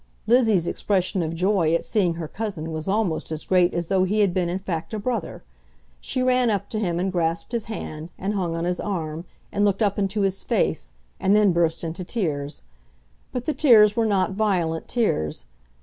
Lizzie's expression of joy at seeing her cousin was almost as great as though he had been in fact a brother. She ran up to him and grasped his hand, and hung on his arm, and looked up into his face, and then burst into tears. But the tears were not violent tears.